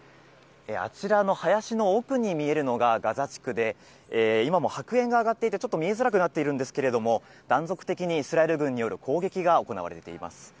あちらの林の奥に見えるのが、ガザ地区で、今も白煙が上がっていて、ちょっと見えづらくなっているんですけれども、断続的にイスラエル軍による攻撃が行われています。